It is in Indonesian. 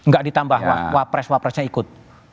gak ditambah pak wapres wapresnya ikut